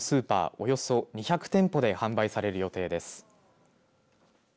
およそ２００店舗で販売される予定です。